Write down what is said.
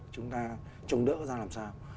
chúng ta trồng đỡ ra làm sao